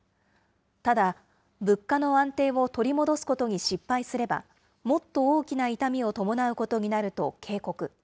ただ、物価の安定を取り戻すことに失敗すれば、もっと大きな痛みを伴うことになると警告。